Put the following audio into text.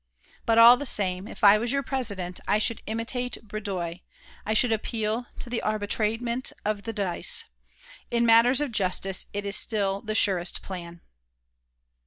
But, all the same, if I was your President, I should imitate Bridoie, I should appeal to the arbitrament of the dice. In matters of justice it is still the surest plan."